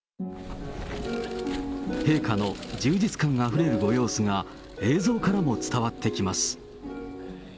陛下の充実感あふれるご様子が、映像からも伝わってきます。